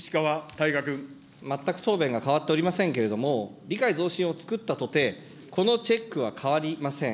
全く答弁が変わっておりませんけれども、理解増進法をつくったとて、このチェックは変わりません。